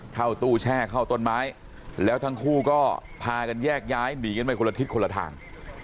เข้าตู้แช่เข้าต้นไม้แล้วทั้งคู่ก็พากันแยกย้ายหนีกันไปคนละทิศคนละทาง